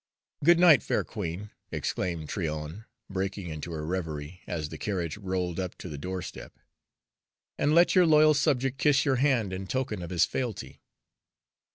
"Good night, fair Queen!" exclaimed Tryon, breaking into her reverie as the carriage rolled up to the doorstep, "and let your loyal subject kiss your hand in token of his fealty.